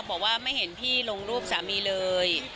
บอกว่าไม่เห็นพี่ลงรูปสามีเลย